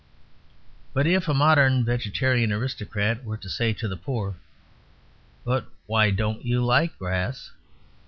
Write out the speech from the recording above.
But if a modern vegetarian aristocrat were to say to the poor, "But why don't you like grass?"